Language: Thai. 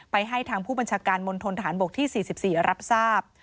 ให้ทางผู้บัญชาการมณฑนฐานบกที่๔๔รับทราบ